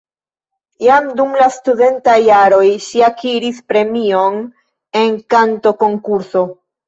Jam dum la studentaj jaroj ŝi akiris premion en kantokonkurso.